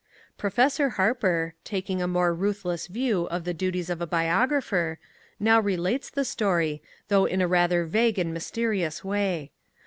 Professor Harper, taking a more ruthless view of the duties of a biographer, now relates the story, though in a rather vague and mysterious way.